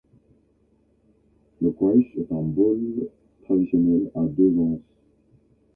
Le Quaich est un bol traditionnel à deux anses.